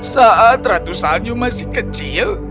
saat ratu salju masih kecil